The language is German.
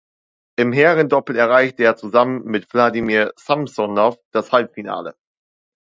Im Herrendoppel erreichte er zusammen mit Wladimir Samsonow das Halbfinale.